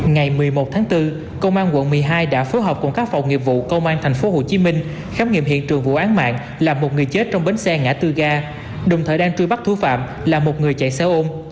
ngày một mươi một tháng bốn công an quận một mươi hai đã phối hợp cùng các phòng nghiệp vụ công an tp hcm khám nghiệm hiện trường vụ án mạng làm một người chết trong bến xe ngã tư ga đồng thời đang truy bắt thú phạm là một người chạy xe ôm